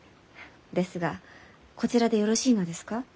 ですがこちらでよろしいのですか？